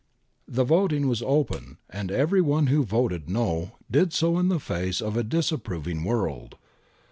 * The voting was open,^ and every one who voted ' no ' did so in the face of a disapproving world.